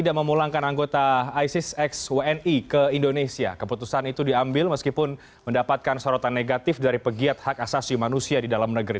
keputusan itu diambil meskipun mendapatkan sorotan negatif dari pegiat hak asasi manusia di dalam negeri